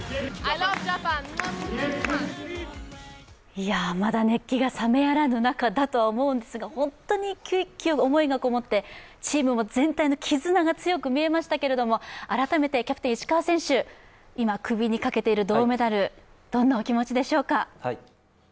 いや、まだ熱気が冷めやらぬ中だとは思うんですが、本当に思いがこもってチームも全体の絆が見えましたけれども、改めてキャプテン・石川選手、今、首にかけている銅メダル、どんなお気持ちでしょうか？